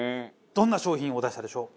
どんな商品を出したでしょう？